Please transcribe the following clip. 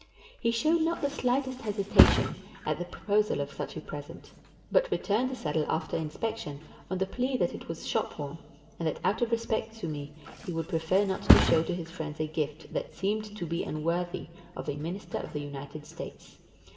He showed not the slightest hesitation at the proposal of such a present, but returned the saddle after inspection, on the plea that it was shopworn, and that out of respect to me he would prefer not to show to his friends a gift that seemed to be unworthy of a Minister of the United States.